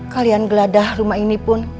kalian geladah rumah ini pun